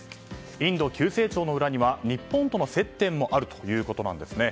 インド急成長の裏には日本との接点もあるということなんです。